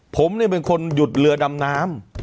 ผมเป็นคนหยุดเรือดำน้ำ